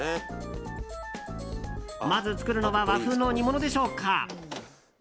まず作るのは和風の煮物でしょうか。